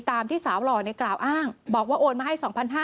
ตามที่สาวหล่อในกล่าวอ้างบอกว่าโอนมาให้๒๕๐๐